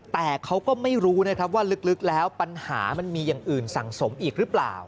แต่เขาก็ไม่รู้นะครับว่าลึกแล้วปัญหามันมีอย่างอื่นสั่งสมอีกหรือเปล่า